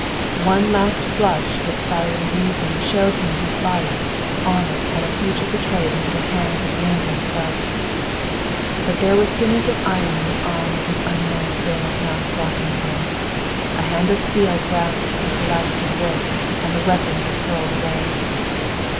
One last flush of expiring reason showed him his life, honor, and a future betrayed into the hands of nameless thugs. But there were sinews of iron in the arm of his unknown assailant now throttling him. A hand of steel grasped his relaxing wrist and the weapon was hurled far away.